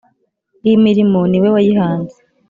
imirimo ni we wayihanze